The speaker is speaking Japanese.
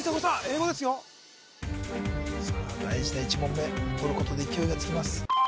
英語ですよさあ大事な１問目とることで勢いがつきます